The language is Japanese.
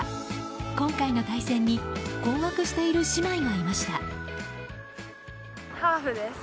今回の対戦に困惑している姉妹がいました。